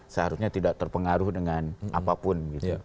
seharusnya tidak terpengaruh dengan apapun